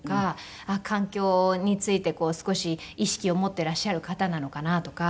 環境について少し意識を持っていらっしゃる方なのかなとか。